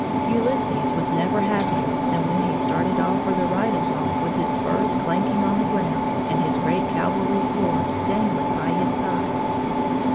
Ulysses was never happier than when he started off for the riding hall with his spurs clanking on the ground and his great cavalry sword dangling by his side.